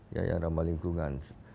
ya yang ramah lingkungan